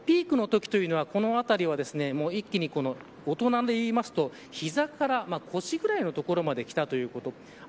ピークのときというのはこの辺りは一気に大人でいうと、膝から腰ぐらいの所まできたということ。